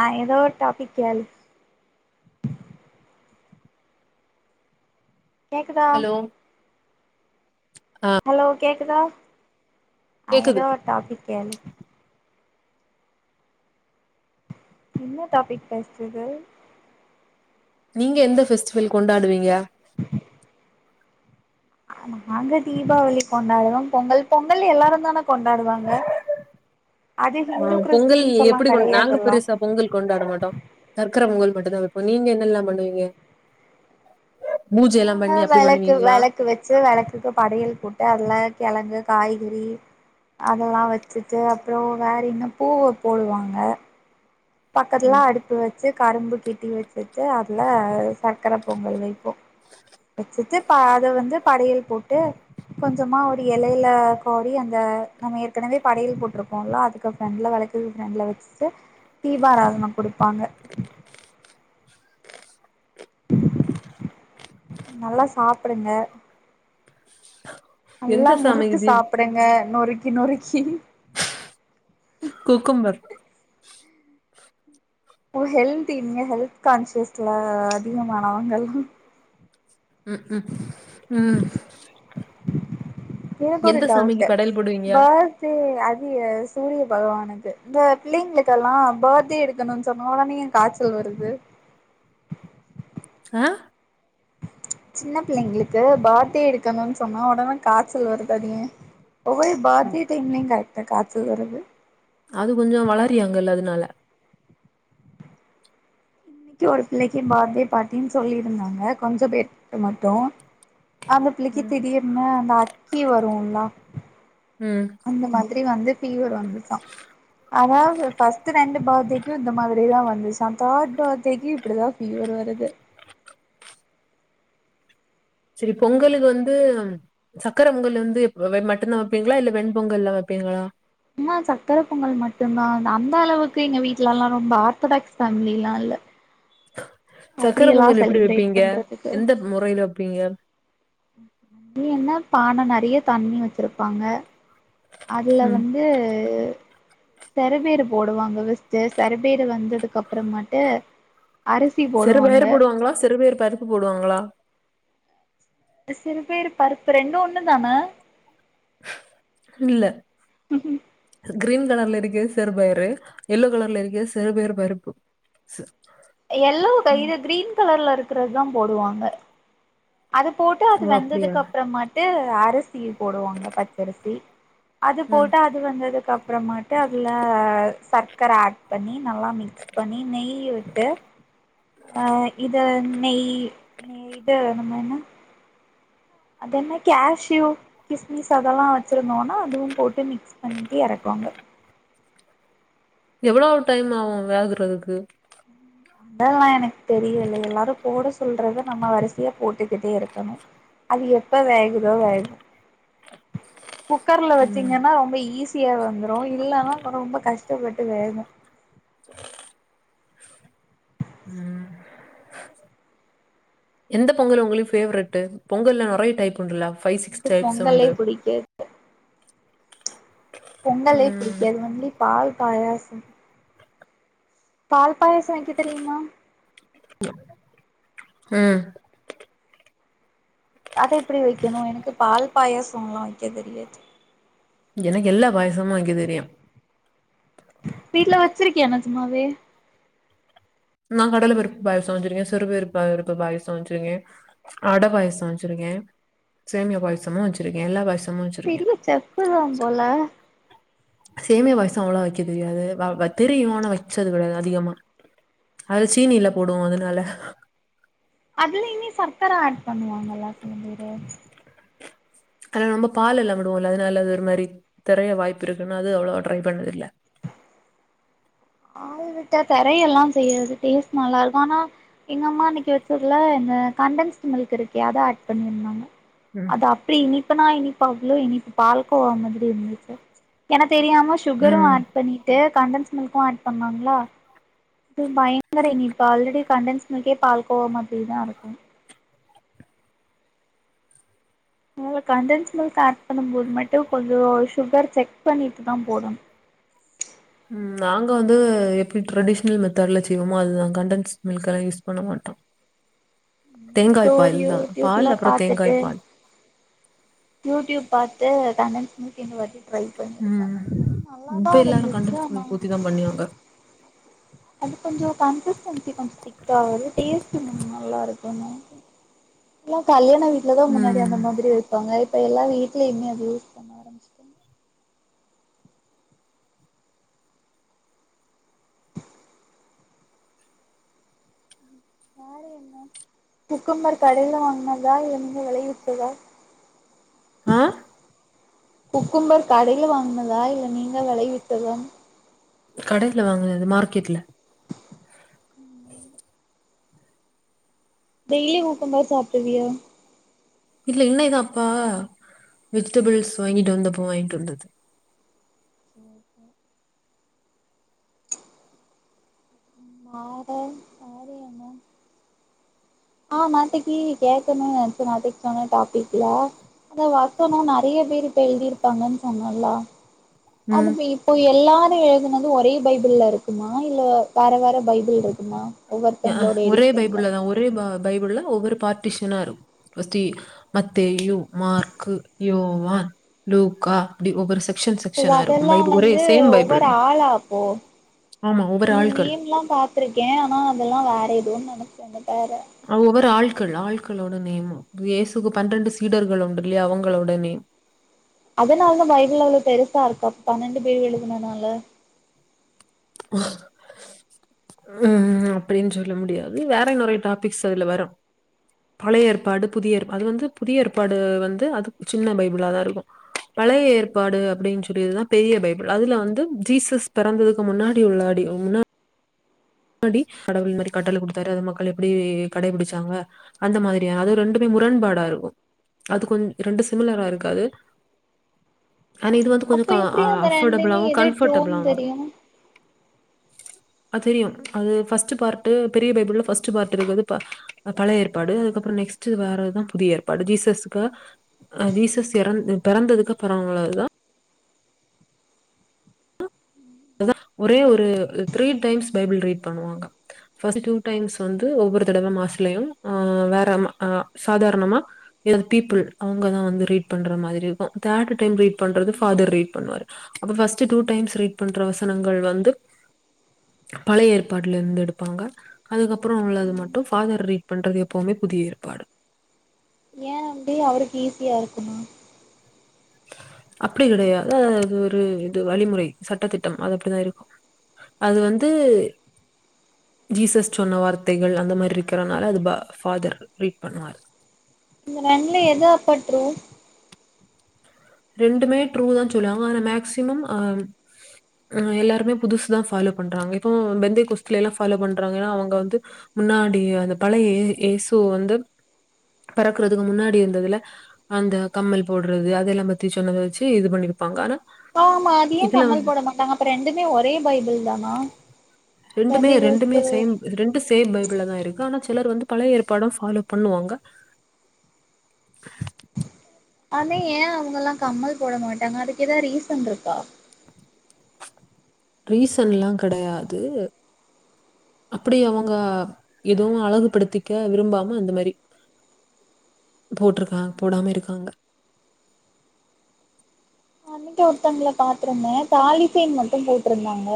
ஆ எதோன் டாபிக் கேளு கேக்குதா ஹலோ ஹலோ கேக் கேக்குதா கேக்குது ஏதோ ஒரு டாப்பிக் கேளு என்ன டாப்பிக் பேசுறது நீங்க எந்த பெஸ்டிவல் கொண்டாடுவீங்க நாங்க தீபாவளி கொண்டாடுவோம் பொங்கல் பொங்கல் எல்லாருந்தான அது ஆ ஹிந்து பொங்கல் கிறிஸ்டின்ஸ் எல்லா எப்டி கொ நாங்க கெடையாதுல்ல பெருசா பொங்கல் கொண்டாட மாட்டோ தர் க்கர பொங்கல் மட்டுந்தா வெப்போ நீங்க என்னெல்லா பண்ணுவீங்க பூஜை எல்லா நாங்க பண்ணி அப்டி வெளக்கு பண்ணுவீங்களா வெளக்கு வெச்சு வெளக்குக்கு படையல் போட்டு அதுல கெழங்கு காய்கறி அதெல்லா வெச்சுட்டு அப்புறோ வேற இன்னும் பூவ போடுவாங்க பக்கத்துல ம் அடுப்பு வெச்சு கரும்பு கட்டி வெச்சுட்டு அதுல சக்கர பொங்கல் வெயிப்போ வெச்சுட்டு அத வந்து படையல் போட்டு கொஞ்சமா ஒரு எலையில கோரி அந்த நம்ம ஏற்கனவே படையல் போட்ருக்கோம்ல அதுக்கு ஃப்ரெண்ட்ல வெளக்குக்கு ஃப்ரெண்ட்ல வெச்சு தீபாராதன குடுப்பாங்க நல்லா சாப்டுங்க நல்லா எந்த சாமிக்கு முறுக்கு தீப் சாப்டுங்க இன்னொரு னொருக்கி னொருக்கி குக்கும்பர் ஓ ஹெல்த் இங்க ஹெல்த் கான்சியஸ்ல அதிகமானவங்கல்லா ம் ம் ம் எனக்கு ஒரு எந்த சாமிக்கு டவுட்டு படையல் போடுவீங்க போர்தே அது சூரிய பகவானுக்கு இந்த பிள்ளைங்ளுக்கெல்லா பர்த்டே எடுக்கணுன் சொன்னோன ஏ காய்ச்சல் வருது அ சின்ன பிள்ளைங்களுக்கு பர்த்டே எடுக்கணுன் சொன்னா ஒடனே காச்சல் வருது அது ஏ ஒவ்வொரு ம். பர்த்டே டைம்லயு காய் து காச்சல் வருது அது கொஞ்சொ வளரியாங்கல் அதுனால இன்னைக்கு ஒரு பிள்ளைக்கு பர்த்டே பார்ட்டின் சொல்லியிருந்தாங்க கொஞ்ச பேருக்கு மட்டு அந்த பிள்ளக்கி திடீர்னு அந்த அக்கி வருல்ல ம் அந்த மாதிரி வந்து ஃபீவர் வந்துச்சா அதாவ்து ஃபஸ்ட்டு ரெண்டு பர்த்டேக்கு இந்த மாதிரி தா வந் [unintelligible] தேட் பர் த்டேக்கி இப்பிடிதா ஃபீவர் வருது செரி பொங்கலுக்கு வந்து சக்கர பொங்கல் வந்து மட்டுதா வப்பீங்ளா இல்ல வெண்பொங்கல்லா வப்பீங்களா சும்மா சக்கர பொங்கல் மட்டுந்தா அந்த அளவுக்கு எங்க வீட்லல்லா ரொம்ப ஆர்த்தடாக்ஸ் ஃபேமிலி எல்லா இல்ல [inaudible] சக்கர அப்டியெல்லா பொங்கல் எப்டி செலிப்ரேட் வப்பீங்க? பண்றதுக்கு எந்த முறைல வப்பீங்க? நீ என்ன பான நெறைய தண்ணி வச்சுருப்பாங்க அதுல ம் வந்து சரபயிறு போடுவாங்க ஃபர்ஸ்ட்டு சர பயிறு வெந்ததுக்கப்பறமேட்டு சிறு பயிறு போடுவாங்ளா? சிறு பயிறு பருப்பு போடுவாங்ளா? சிறுபயிறு பருப்பு ரெண்டு ஒன்னு தான இல்ல கிரீன் கலர்ல இருக்கது சிறு பயரு எல்லோ கலர்ல இருக்கது சிறு பயறு பருப்பு எல்லோ க ம். இது கிரீன் கலர்ல இருக் றதுதா போடுவாங்க அது போட்டு அது ஓ அப்டியா வெந்ததுக்கப்றமாட்டு அரிசி போடுவாங்க பச்சரிசி அது ம் போட்டு அது வெந்ததுக்கப் றமாட்டு அதுல சக்கர ஆட் பண்ணி நல்லா மிக்ஸ் பண்ணி நெய் விட்டு அ இத நெய் நே இது நம்ம என்ன அதென்ன கேஷ்யூ கிஸ்மிஸ் அதெல்லா வச்சிருந்தோன்னா அதுவும் போட்டு மிக்ஸ் பண்ணிட்டு எறக்குவாங்க எவ்வளோ டைம் ஆவு வேகுறதுக்கு அதெல்லா எனக்கு தெரியல எல்லாரு போட சொல்றத நம்ம வரிசையா போட்டுக்கிட்டே இருக்கணு அது எப்ப வேகுதோ வேகு குக்கர்ல ம் வச்சீங்கன்னா ரொம்ப ஈ சீக்கிரம் வெந்துரும் இல்லன்னாங்க ரொம்ப கஷ்டப்பட்டு வேகும் [inaudible] எந்த பொங்கல் உங்களையும் பேவரெட் பொங்கல்லல்ல நிறைய டைப் உண்டுலா எனக்கு பொங்கலே புடிக்காது பொங்கலே புடிக்க ம் அது வந்து பால் பாயாசம் பால் பாயசம் வைக்க தெரியுமா ஆஹம் அத எப்படி வைக்கணும் எனக்கு பால் பாயாசம் எல்லாம் வைக்க தெரியாது எனக்கு எல்லா பாயசமும் வைக்க தெரியும் வீட்டு்ல வச்சிருக்கியா சும்மாவே நான் கடல் வெருப்பு பாயசம் வச்சிருக்கேன் சிறுுவருப்பு வெருப்பு பாயசம் வச்சிருக்கேன் அடை பாயசம் வச்சிருக்கேன் சேமியா பாயசமும் வச்சிருக்கேன் எல்லா பாயசமும் திரிய சப்புதான் போல சேமியா பாய்சும் அவ்ளவ வைக்க தெரியாது தெரியும் ஆனா வச்சது கடையாது அதிகமா அது சீனில போடுவோம் அதனால அதுல இனி சர்க்கரை ஆட் பண்ணுவாங்கல்ல சில பேரு அதன நம்ம பால் எல்லாம் விடுவோம்ல்ல அதனால அது ஒரு மாிரறைய வாய்ப்ப இருக்குன்னா அது அவ்வளவா ட்ரை பண்றது இல்ல ஆள் விட்ட திரைய எல்லாம் செய்யறது டேஸ்ட் நல்லா இருக்கும் ஆனா எங்க அம்மா அன்னைக்கு வச்சதுல இந்த கண்டென்ஸ்ட் மில்க் இருக்குே அதான் ஆட் பண்ணிருந்தாங்க ம். அத்த அப்பிடி இனிப் அத்தனா இனிப்பா அவ்ளோ இனிப்பு பால்கோவா மாதிரி இருந்துச்சு எனக்கு தெரியாம சுகரும் ம். ஆட் பண்ணிட்டு கண்டன்ஸ்க்கு மில்க்கும் ஆட் பண்ணாங்களா பயங்கரம் இனிப்பா ஆல்ரெடி கண்டன்ஸ்மில்க்கே பால் கோவாமாதிரி தான் இருக்கும் உங்களுக்கு கண்டென்ஸ் மில்க் ஆட் பண்ணும் போது மட்டும் கொஞ்சம் சுகர் செக் பண்ணிட்டு தான் போடணும் உம் நாங்க வந்து எப்படி ட்ரெடிஷனல் மெத்தர்ட்ல செய்வோமோ அதுதான் கண்டென்ஸ் மில்க்ல்லாம் யூஸ் பண்ண மாட்டோம் ஏதோ தேங்காய் ஒரு பால் தான் யூடியூப்ல பால் அப்புறம் பாத்துட்டு தேங்காய் பால் யூடியூப் பார்த்து கண்டன்ஸ் மில்க் எங்க வருது உம் உம் இப்ப எல்லாரும் இருந்துச்சு ஆனா கண்டன்ஸ்டு ஊத்திதான் பண்ணியாங்க அது கொஞ்சம் கன்சிஸ்டன்சி கொஞ்சம் திக்கா ஆவுது டேஸ்ட் நல்லா இருக்கும்ல இல்ல கல்யாண அம்மாவீட்டு்ல தான் அந்த மாதிரி ம். அந்த மாதிரி வைப்பாங்க இப்ப எல்லா வீட்லயுமே அது யூஸ் பண்ண ஆரம்பிச்சுட்டாங்க யாரு இவுங்க குக்கும்பர் கடையில வாங்கனதா இல்ல நீங்க வெளைய வெச்சதா ஆ குக்கும்பர் கடையில வாங்குனதா இல்ல நீங்க வெளைவிட்டதான் கடையில வாங்குனது மார்க்கெட்ல டெய்லி குக்கும்பர் சாப்ட்ருவியா இல்ல இன்னு அப்பா வெஜிடபிள்ஸ் வாங்கிட்டு வந்தப்போ வாங்கிட்டு வந்தது [unintelligible] ஆமா நேத்தகி கேக்கணு நெனச்ச நேத்தக்கு சொன்ன டாபிக்ல அத வசனோ நறைய பேரு இப்ப எழுதிருப்பாங்கன் சொன்னோல்லா ம். அதுங்க இப்போ எல்லார் புக்குல எழுதுனது ஒரே பைபிள்ல இருக்குமா இல்ல வேற வேற பைபிள் இருக்குமா எஆ ஒவ்வொருத்தங்களோட ஒரே எடிஷன்ல பைபிள்ளதா ஒரே ப பைபிள்ள ஒவ்வொரு பார்ட்டிஷனர் வெச்சு மத்தேயு மார்க்கு யோவான் லூக்கா அப்டி ஒவ்வொரு சக் இல்ல அதெல்லா வந்து ஒவ்வொரு தான் ஆளா அப்போ ஆமா ஒவ்வொரு இந்த ஆட்கள் நேம்ல்லாம் பாத்துருக்க ஆனா அதெல்லா வே எதுவு‌ம் நெனக்கில இது வேற அவுங்க ஒவ்வொரு ஆள்கள் ஆள்களோட நேம்மு இயேசுக்கு பன்னிரெண்டு சீடர்கள் உண்டு இல்லையா அவங்களோட நேம் அதனாலதா பைபிள் அவ்வளோ பெருசா இருக்கா பன்னெண்டு பேர் எழுதுன்ன நாள ம் அப்டின் சொல்ல முடியாது வேற நெறைய டாபிக்ஸ் அதுல வரு பழைய ஏற்பாடு புதிய ஏற்பாடு அது வந்து புதிய ஏற்பாடு வந்து அது சின்ன பைபிளாதா இருக்கு பழைய ஏற்பாடு அப்டின் சொல்லியதுதா பெரிய பைபிள் அதுல வந்து ஜீசஸ் பெறந்ததுக்கு முன்னாடி டி உள்ளாடி முன்னால் முன்னாடி கடவுள் மாரி கட்டல குடுத்தாரு அது மக்கள் எப்டி கடைபிடிச்சாங்க அந்த மாதிரியா அது ரெண்டுமே முரண்பாடா இருக்கு அது கொஞ் ரெண்டு சிமிலரா இருக்காது ஆனா இது வந்து கொஞ்ச அப்ப எப்டி அந்த ரெண்டுலயுமே அஃபோர்டபிளாவு எது ட்ரூன்னு கம்ஃபர்டபிளாவு வரு தெரியு அது தெரியு அது ஃபஸ்ட்டு பார்ட்டு பெரிய பைபிள்ள ஃபஸ்ட்டு பார்ட்டு இருக்குறது ப அ பழய ஏற்பாடு அதுக்கப்புறோ நெக்ஸ்ட்டு வர்றதுதா புதிய ஏற்பாடு ஜீசஸுக்கு அ ஜீசஸ் எறந் பெறந்ததுக்கப்பறோ உள்ளதா அதா ஒரே ஒரு த்ரீ டைம்ஸ் பைபிள் ரீட் பண்ணுவாங்க ஃபஸ்ட் டூ டைம்ஸ் வந்து ஒவ்வொரு தடவ மாஸ்லயு ஆ அம் ஆ சாதாரணமா எது பீப்புள் அவங்கதா வந்து ரீட் பண்ற மாதிரி இருக்கு தோர்டு டைம் ரீட் பண்றது ஃபாதர் ரீட் பண்ணுவாரு அது ஃபஸ்ட்டு டூ டைம்ஸ் ரீடு பண்ற வசனங்கள் வந்து பழைய ஏற்பாடுல இருந்து எடுப்பாங்க அதுக்கப்புறோ உள்ளது மட்டு ஃபாதர் ரீட் பண்றது எப்வுமே புதிய ஏற்பாடு ஏ அப்டி அவருக்கு ஈஸியா இருக்குன்னா அப்டி கெடையாது அதுவாது ஒரு இது வழிமுறை சட்டத்திட்டம் அது அப்டிதா இருக்கு அது வந்து ஜீசஸ் சொன்ன வார்த்தைகள் அந்த மாதிரி இருக்குறனால அது பா ஃபாதர் ரீட் பண்ணுவாரு இந்த ரெண்டுல எது அப்பா ட்ரூ ரெண்டுமே ட்ரூதா சொல்லுவாங்க ஆனா மேக்சிமம் அம் எல்லாருமே புதுஸ்தா ஃபாலோ பண்றாங்க இப்போ பெந்தை கொஸ்ல எல்லா ஃபாலோ பண்றாங்கன்னா அவங்க வந்து முன்னாடி அந்த பழய யே யேசு வந்து பெறக்குறதுக்கு முன்னாடி இருந்ததுல அந்த கம்மல் போடுறது அதெல்லாம் பத் பத்தி சொன்னத வெச்சு இது பண்ணிருப்பாங்க ஆனா ஆமா அது ஏ கம்மல் போட மாட்டாங்க அப்ப ரெண்டுமே ஒரே பைபிள் தானா ரெண்டுமே சண்டே ரெண்டுமே கோஸ்பல் சேம் ரெண்டு சேம் பைபிள்ளதா இருக்கு ஆனாச் சிலர் வந்து பல ஏற்பாடு ஃபாலோ பண்ணுவாங்க அதே ஏ அவங்க எல்லா கம்மல் போட மாட்டாங்க அதுக்கு ஏதாவது ரீசன் இருக்கா ரீசன் எல்லாங் கெடையாது அப்படி அவங்க எதுவு அழகுபடுத்திக்க விரும்பாம அந்த மாரி போட்ருக்கா போடாம இருக்காங்க அன்னைக்க ஒருத்தவங்களை பாத்திருந்தேன் தாலிசென் மட்டும் போட்டிருந்தாங்க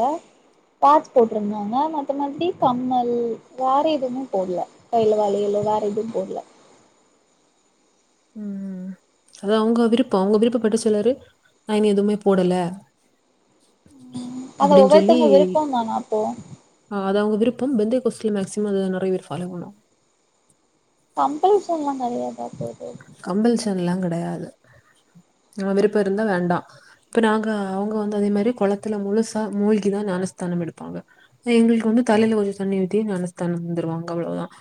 பாச் போட்டிருந்தாங்க மத்த மாினரி கம்மல் வேற எதுமே போடல வயில வால வேற எதுவும் போடல உம் அதான் அவங்க விருப்பம் அவங்க விருப்பப்பட்ட சிலரு நான் இன எதுவுமே போடல அத அப்படின்னு சொல்லி, ஒவ்வொருத்தவங்க விருப்பம் தானா அப்போ இருப்பம் பெந்தே கோஸ்ட்ல மேக்சிமம் அத நிறைய பேர் ஃபாலோ பண்ணோம் கம்பள சொல்லாம் நிறையாது கம்பல்ஷன் எல்லாம் கிடயாது கிடையாது விருப்பம் இருந்தா வேண்டாம் இப்ப நாங்க அவங்க வந்து அதே மாதிரி குளத்துல முழுசா மூழ்கிதான் ஞானஸ்தானம் எடுப்பாங்க எங்களுக்கு வந்து தலையில கொஞ்சம் தண்ணி ஊத்திய ஞானஸ்தானம் வந்துருவாங்க அவ்ளவுதான்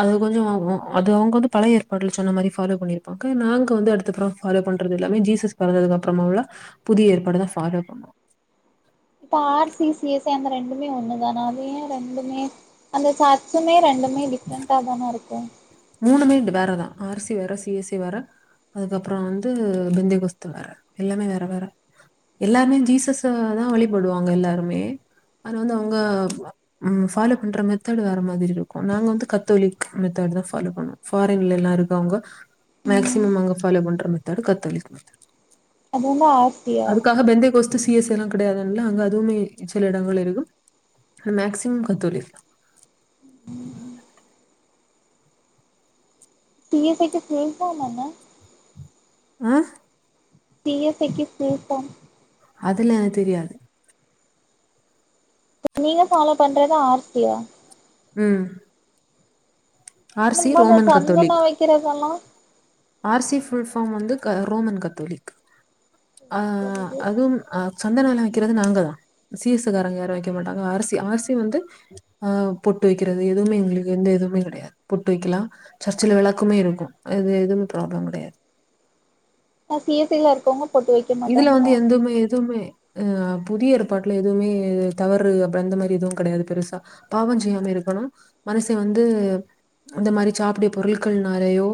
அது கொஞ்சம் அது அவங்க வந்து பழ ஏற்பாடுகள் சொன்ன மாதிரி பாலோ பண்ணிருப்பாங்க நாங்க வந்து அடுத்தறம் ஃபாலோ பண்றது எல்லாமே ஜீசஸ் பறந்ததுக்கு அப்புறமா உள்ள புதிய ஏற்பாடு தான் ஃபாலோ பண்ணுவோம் இப்ப ஆர்சி சிஎஸ்சி அந்த ரெண்டுமே ஒண்ணு தானே அதன் ரெண்டுமே அந்த சர்ச்சுமே ரெண்டுமே டிஃப்ரெண்டா தானே இருக்கும் மூணுமே வேறதான் ஆரிசி வேற சிஎஸ்சி வேற அதுக்கப்புறம் வந்து பிந்தேகஸ்து வேற எல்லாமே வேற வேற எல்லாருமே ஜீசஸ தான் வழிபடுவாங்க எல்லாருமே அதது வந்து அவங்க ஃபாலோ பண்ற மெத்தட் வேற மாதிரி இருக்கும் நாங்க வந்து கத்தோலிக் மெத்த்ட் தான் பால பண்ணபாரின்ல எல்லா இருக்கும் அவங்க ம் மேக்சிமம் அங்க பாலோ பண்ற மெத்த கத்தோலிக்ெத்த அது வந்த ஆர் சி யா சிஎஸ் எல்லாம் கிடையாது அங்க அதுவுமே சில இடங்கள் இருக்கும் மேக்சிமம் கத்தொலி சிஎஸ்டிிசேல் சொ ஆமான ஆஹ சீயத்தக்கு தீர்த்தான் அதுல என தெரியாது நீங்க ஃபாலோ பண்றத ஆர்சியா உம் இப்ப நம்ம சந்தனா கத்தோலிக். வைக்கிறதெல்லாம் ஆர்சி ஃபுல்ஃபார்ம் வந்து ரோமன் கத்தோலிக் ஆஹ அதுவும் அஹ சொந்த நிலம் வைக்கிறது நாங்க தான் சீசுகாரங்க யாரும் வைக்க மாட்டாங்க அரிசி அரிசி வந்து ஆஹ் பொட்டு வைக்கிறது எதுவுமே எங்களுக்கு எந்த எதுவுமே கிடையாது பொட்டு வைக்கலாம் சர்ச்சல விளக்குமே இருக்கும் அது எதும ங்கட சிஎஸ் சில இருக்கோங்க இதுல வந்து எதுவுமே எதுவுமே அஹ் புதிய ஏற்பாட்டுல எதுவுமே தவறு அப்பற அந்த மாதிரி எதுவும் கிடையாது பெருசா பாவம் செய்யாம இருக்கணும் மனசை வந்து இந்த மாதிரி சாப்படிய பொருட்கள்னாலேயோ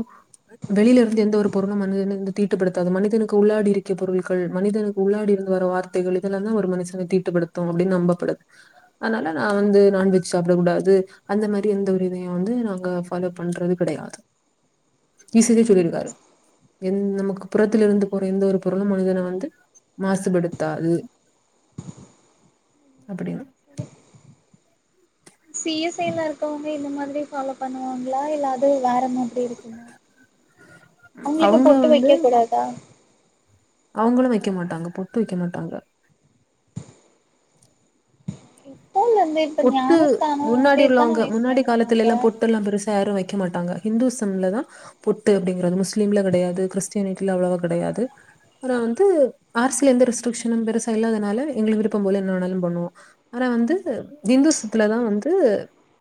வெளியில இருந்து எந்த ஒரு பொருளும் மனிதனு வந்து தீட்டுப்படுத்தாது மனிதனுக்கு உள்ளாடி இருக்கு பொருகள் மனிதனுக்கு உள்ளாடி இருந்து வர வார்த்தைகள் இதெல்லாம் தான் ஒரு மனிஷனை தீட்டுப்படுத்தும் அப்படின்னு நம்பப்படுது அதனால நான் வந்து நான்வெஜ் சாப்பிடக்க கூடாது அந்த மாதிரி எந்த ஒரு இத வந்து நாணலோ பண்றது கிடையாது ஈச சொல்லிருக்காரு நமக்கு புறத்த இருந்து போற எந்த ஒரு பொருள மனிதனை வந்து மாசுபடுத்தாது அப்படின்னு சிஎஸ்ஐல இருக்கவங்க இந்த மாதிரி ஃபாலோ பண்ணுவாங்களா இல்ல அது வேற மாறி இருக்குமா அவங்களுக்கு அவங்க பொட்டு வந்து வைக்க கூடாதா அவங்களும் வைக்க மாட்டாங்க பொட்டு வைக்க மாட்டாங்க எப்போல இருந்து இப்ப பொட்டு ஞானஸ்தானம் முன்னாடி வந்து எத்தன உள்ளவங்க வயசுல முன்னாடி காலத்துல இருக்காங்க எல்லாம் பொட்டு எல்லாம் பெருசா ஏாரும் வைக்க க்க மாட்டாங்கந்துசம்லதான் பொட்டு அப்படிங்க முஸ்லீம்ல கிடையாது கிறிஸ்டான அவ்ளவா கிடையாது ஆனா வந்து அரசியல எந்தெஸ்டரிகஷனும் பெச இல்லாதனால எங்க விருப்பம் போல என்னன்னாலும் பண்ணுவோம் ஆனா வந்து இந்துசத்துல தான் வந்து